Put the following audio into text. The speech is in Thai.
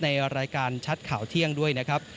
ในรายการชัดข่าวเที่ยงด้วยนะครับ